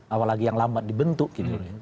apalagi yang lambat dibentuk gitu